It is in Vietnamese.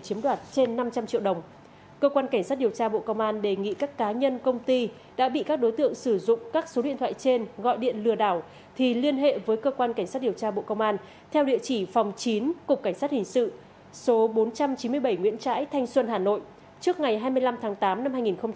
cụ thể cơ quan cảnh sát điều tra bộ công an đang điều tra vụ án hình sự lừa đảo chiếm đoạt tài sản xảy ra tại các tỉnh thành phố trên cả nước